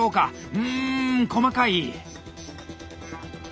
うん細かい。